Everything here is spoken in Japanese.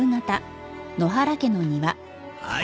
はい。